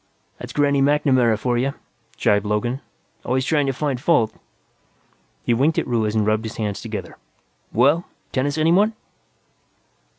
"That's Granny MacNamara for you," jibed Logan. "Always trying to find fault." He winked at Ruiz and rubbed his hands together. "Well tennis, anyone?"